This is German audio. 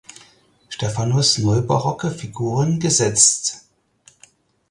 Stephanus neubarocke Figuren gesetzt.